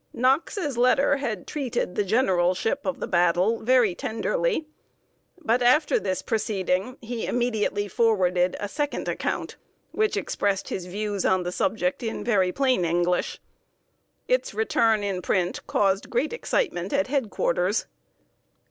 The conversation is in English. Knox's letter had treated the generalship of the battle very tenderly. But after this proceeding he immediately forwarded a second account, which expressed his views on the subject in very plain English. Its return in print caused great excitement at head quarters.